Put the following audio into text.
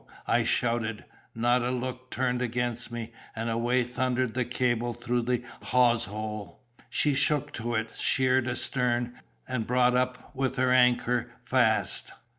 I shouted; not a look turned against me, and away thundered the cable through the hawse hole; she shook to it, sheered astern, and brought up with her anchor fast.